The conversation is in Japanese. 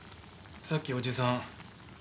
さっきおじさん